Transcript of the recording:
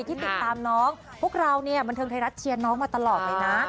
ที่ติดตามน้องพวกเราเนี่ยบันเทิงไทยรัฐเชียร์น้องมาตลอดเลยนะ